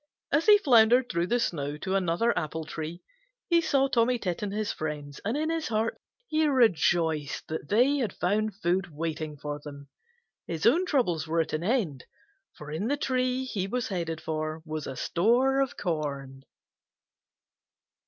As he floundered through the snow to another apple tree he saw Tommy Tit and his friends, and in his heart he rejoiced that they had found food waiting for them. His own troubles were at an end, for in the tree he was headed for was a store of corn.